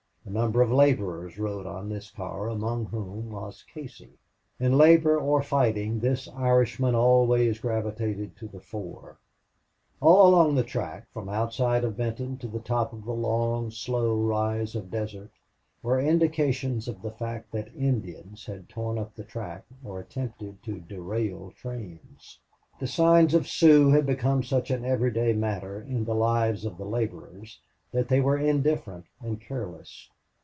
A number of laborers rode on this car, among whom was Casey. In labor or fighting this Irishman always gravitated to the fore. All along the track, from outside of Benton to the top of a long, slow rise of desert were indications of the fact that Indians had torn up the track or attempted to derail trains. The signs of Sioux had become such an every day matter in the lives of the laborers that they were indifferent and careless.